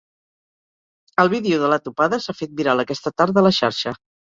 El vídeo de la topada s’ha fet viral aquesta tarda a la xarxa.